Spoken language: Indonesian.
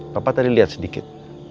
papa tadi liat sedikit